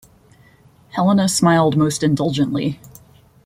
Helena smiled most indulgently.